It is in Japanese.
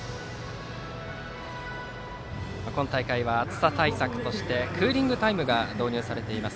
今大会は暑さ対策としてクーリングタイムが導入されています。